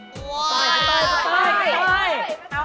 ปะเนาปะเนาปะเนา